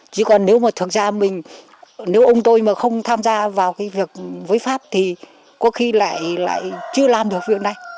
chỉ còn nếu mà thực ra mình nếu ông tôi mà không tham gia vào cái việc với pháp thì có khi lại lại chưa làm được việc này